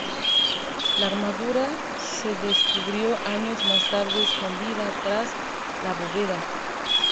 La armadura se descubrió años más tarde escondida tras la bóveda.